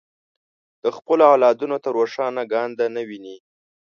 د خپلو اولادونو ته روښانه ګانده نه ویني.